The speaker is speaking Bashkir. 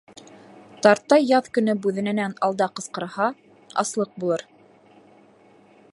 Тартай яҙ көнө бүҙәнәнән алда ҡысҡырһа, аслыҡ булыр.